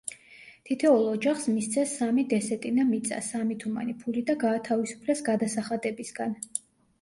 თითოეულ ოჯახს მისცეს სამი დესეტინა მიწა, სამი თუმანი ფული და გაათავისუფლეს გადასახადებისგან.